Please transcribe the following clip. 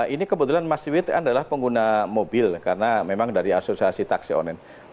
ini kebetulan mas wiwit adalah pengguna mobil karena memang dari asosiasi taksi online